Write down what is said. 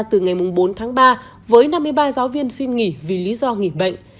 từ ngày bốn tháng ba với năm mươi ba giáo viên xin nghỉ vì lý do nghỉ bệnh